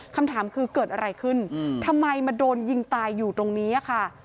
คำถามคือเกิดอะไรขึ้นทำไมมาโดนยิงตายอยู่ตรงนี้ค่ะ